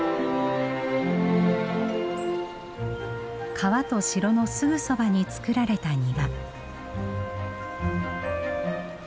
川と城のすぐそばに作られた庭。